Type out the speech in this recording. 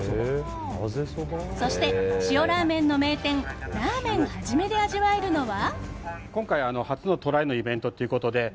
そして、塩ラーメンの名店らあめん元で味わえるのは。